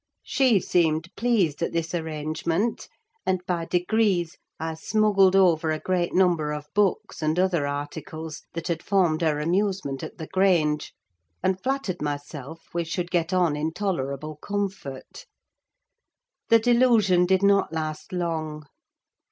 She seemed pleased at this arrangement; and, by degrees, I smuggled over a great number of books, and other articles, that had formed her amusement at the Grange; and flattered myself we should get on in tolerable comfort. The delusion did not last long.